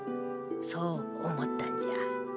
そう思ったんじゃ。